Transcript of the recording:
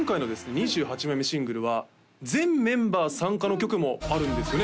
２８枚目シングルは全メンバー参加の曲もあるんですよね？